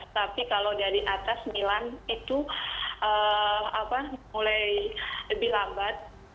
tapi kalau dari atas milan itu mulai lebih lambat